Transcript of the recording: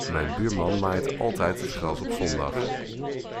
Mijn buurman maait altijd het gras op zondag.